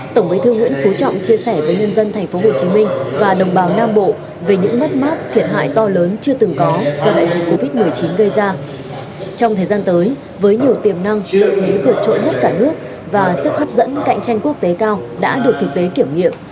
tổng bí thư nguyễn phú trọng nói tới với nhiều tiềm năng thế thiệt trộn nhất cả nước và sức hấp dẫn cạnh tranh quốc tế cao đã được thực tế kiểm nghiệm